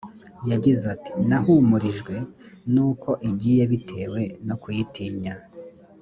yagize ati nahumurijwe n’uko igiye bitewe no kuyitinya